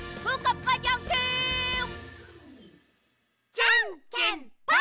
じゃんけんぽん！